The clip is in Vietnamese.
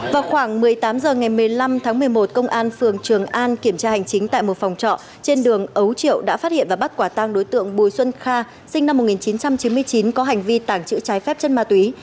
vào khoảng một mươi tám h ngày một mươi năm tháng một mươi một công an phường trường an kiểm tra hành chính tại một phòng trọ trên đường ấu triệu đã phát hiện và bắt quả tăng đối tượng bùi xuân kha sinh năm một nghìn chín trăm chín mươi chín có hành vi tàng trữ trái phép chất ma túy